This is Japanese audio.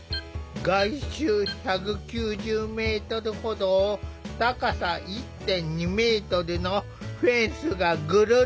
外周１９０メートルほどを高さ１．２メートルのフェンスがぐるり。